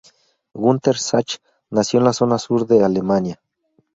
Gunter Sachs nació en la zona sur de Alemania.